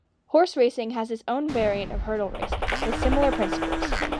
Horse racing has its own variant of hurdle racing, with similar principles.